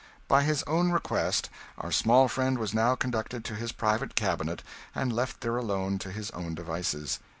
By his own request our small friend was now conducted to his private cabinet, and left there alone to his own devices.